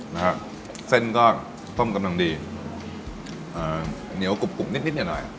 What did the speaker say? นะฮะเส้นก็ต้มกำลังดีเอ่อเหนียวกรุบกรุบนิดนิดหน่อย